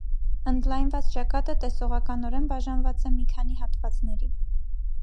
Ընդլայնված ճակատը տեսողականորեն բաժանված է մի քանի հատվածների։